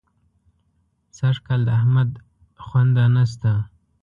سږکال د احمد خونده نه شته.